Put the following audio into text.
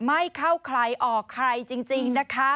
ไม่เข้าใครออกใครจริงนะคะ